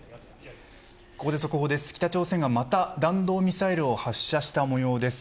速報です、北朝鮮がまた弾道ミサイルを発射したもようです。